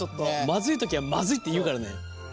まずい時はまずいって言うからね。